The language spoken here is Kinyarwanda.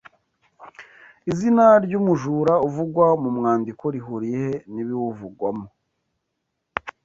Izina ry’umujura uvugwa mu mwandiko rihuriye he n’ibiwuvugwamo